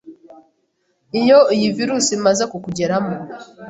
iyo iyi virus imaze kukugeramo